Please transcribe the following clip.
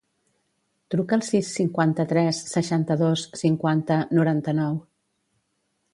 Truca al sis, cinquanta-tres, seixanta-dos, cinquanta, noranta-nou.